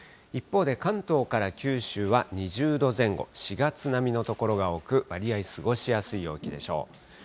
一方で、関東から九州は２０度前後、４月並みの所が多く、わりあい過ごしやすい陽気でしょう。